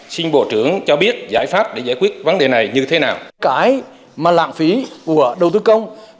xin bộ trưởng cho biết giải pháp để giải quyết vấn đề này như thế nào